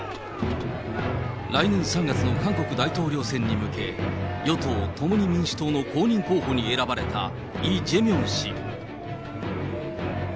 来年３月の韓国大統領選に向け、与党・共に民主党の公認候補に選ばれたイ・ジェミョン氏。